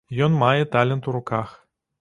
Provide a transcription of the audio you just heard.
Ён мае талент у руках.